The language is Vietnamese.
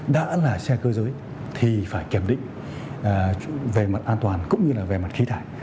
đã là xe cơ giới thì phải kiểm định về mặt an toàn cũng như là về mặt khí thải